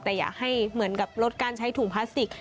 แต่อยากให้เหมือนกับลดการใช้ถุงพลาสติก